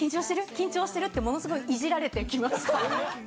緊張してる？ってものすごいいじられてきました。